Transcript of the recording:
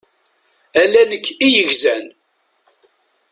Ala nekk i yegzan.